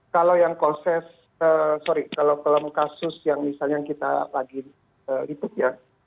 kalau yang konses sorry kalau kasus yang misalnya kita lagi hitung ya